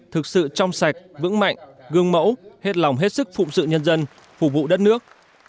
thực sự trong sạch vững mạnh gương mẫu hết lòng hết sức phụng sự nhân dân phục vụ đất nước